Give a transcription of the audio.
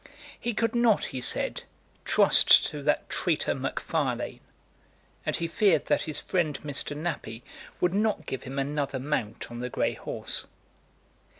He could not, he said, trust to that traitor MacFarlane, and he feared that his friend Mr. Nappie would not give him another mount on the grey horse.